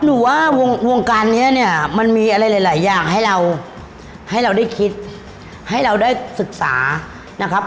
หรือว่าวงการนี้เนี่ยมันมีอะไรหลายอย่างให้เราให้เราได้คิดให้เราได้ศึกษานะครับ